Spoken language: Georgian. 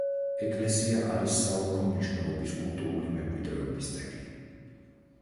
ეკლესია არის საოლქო მნიშვნელობის კულტურული მემკვიდრეობის ძეგლი.